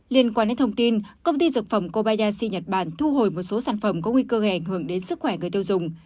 liên quan đến thông tin công ty dược phẩm kobayashi nhật bản thu hồi một số sản phẩm có nguy cơ gây ảnh hưởng đến sức khỏe người tiêu dùng